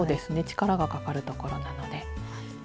力がかかるところなので。